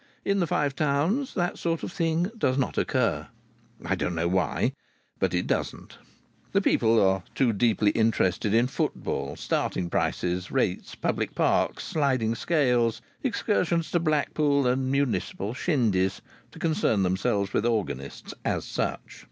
In the Five Towns that sort of thing does not occur. I don't know why, but it doesn't. The people are too deeply interested in football, starting prices, rates, public parks, sliding scales, excursions to Blackpool, and municipal shindies, to concern themselves with organists as such.